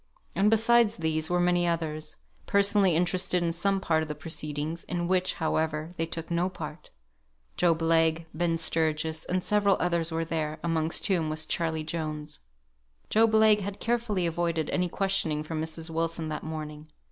And besides these were many others, personally interested in some part of the proceedings, in which, however, they took no part; Job Legh, Ben Sturgis, and several others were there, amongst whom was Charley Jones. Job Legh had carefully avoided any questioning from Mrs. Wilson that morning.